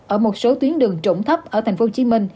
ở một số tuyến đường trụng thấp ở tp hcm